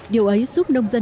điều ấy giúp nông dân